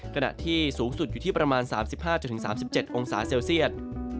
ขณะที่สูงสุดอยู่ที่ประมาณ๓๕๓๗องศาเซลเซียต